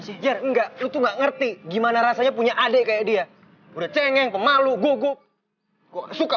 sih enggak itu nggak ngerti gimana rasanya punya adik kayak dia udah cengeng pemalu gogok suka